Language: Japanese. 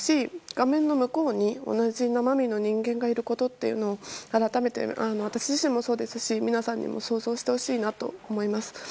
画面の向こうに同じ生身の人間がいるということを改めて私自身もそうですし、皆さんにも想像してほしいなと思います。